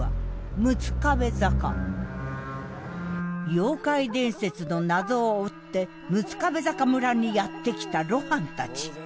妖怪伝説の謎を追って六壁坂村にやって来た露伴たち。